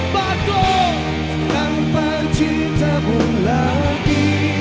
kenapa cintamu lagi